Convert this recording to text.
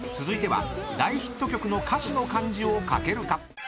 ［続いては大ヒット曲の歌詞の漢字を書けるか］